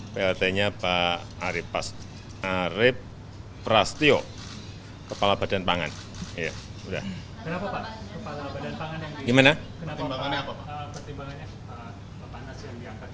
pertimbangannya pak panas yang diangkat dari pantai